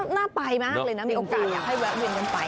น่าไปมากเลยนะมีโอกาสอยากให้แวะเวียนกันไป